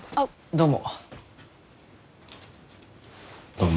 どうも。